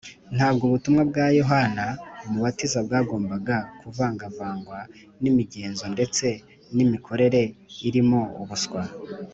” ntabwo ubutumwa bwa yohana umubatiza bwagombaga kuvangavangwa n’imigenzo ndetse n’imikorere irimo ubuswa